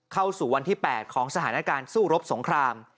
เข้าสู่วันที่๘ของสถานการณ์สู้รบสงคราม